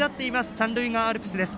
三塁側アルプスです。